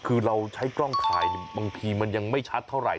คือเราใช้กล้องถ่ายบางทีมันยังไม่ชัดเท่าไหร